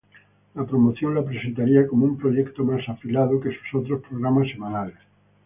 La promoción lo presentaría como un proyecto más "afilado" que sus otros programas semanales.